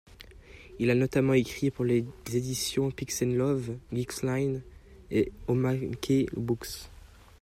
Il a notamment écrit pour les éditions Pix'n Love, Geeks-Line et Omaké Books.